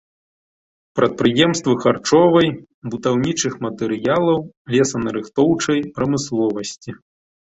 Прадпрыемствы харчовай, будаўнічых матэрыялаў, лесанарыхтоўчай прамысловасці.